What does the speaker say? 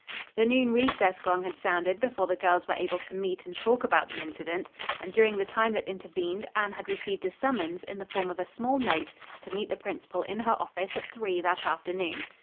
The noon recess gong had sounded before the girls were able to meet and talk about the incident, and, during the time that intervened, Anne had received a summons in the form of a small note to meet the principal in her office at three that afternoon.